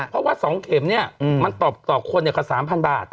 เพราะว่าสองเข็มเนี้ยอืมมันต่อต่อคนเนี้ยกว่าสามพันบาท